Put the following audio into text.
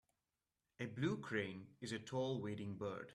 A blue crane is a tall wading bird.